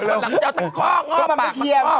เพราะหลังจะเอาแต่ค็๊ก